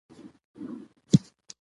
د ادب له لارې کلتور ژوندی پاتې کیږي.